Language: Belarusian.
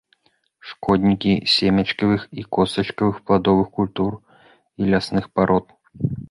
Шкоднікі семечкавых і костачкавых пладовых культур і лясных парод.